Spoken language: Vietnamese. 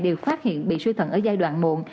đều phát hiện bị suy thận ở giai đoạn muộn